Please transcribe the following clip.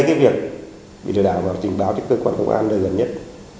hãy tiếp việc bị lừa đảo và trình báo cho cơ quan công an lời gần nhất